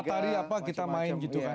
tari apa kita main gitu kan